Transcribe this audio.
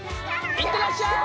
いってらっしゃい！